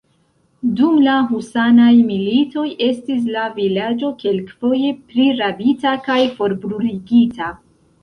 Dum la Husanaj Militoj estis la vilaĝo kelkfoje prirabita kaj forbruligita.